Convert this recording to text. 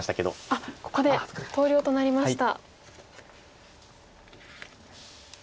あっここで投了となりました。